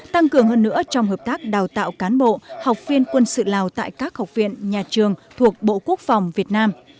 tăng cường hơn nữa trong hợp tác đào tạo cán bộ học viên quân sự lào tại các học viện nhà trường thuộc bộ quốc phòng việt nam